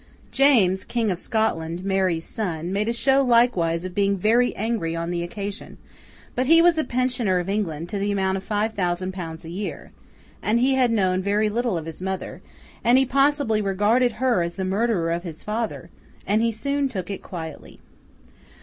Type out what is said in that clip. James, King of Scotland, Mary's son, made a show likewise of being very angry on the occasion; but he was a pensioner of England to the amount of five thousand pounds a year, and he had known very little of his mother, and he possibly regarded her as the murderer of his father, and he soon took it quietly.